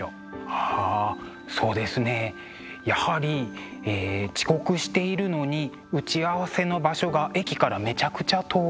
はあそうですねやはりえ遅刻しているのに打ち合わせの場所が駅からめちゃくちゃ遠い。